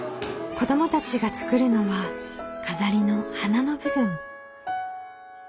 子どもたちが作るのは飾りの花の部分。